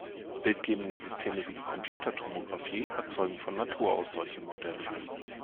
Bildgebende Systeme wie die Computertomografie erzeugen von Natur aus solche Modelle.